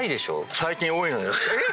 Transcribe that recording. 最近多いのよ。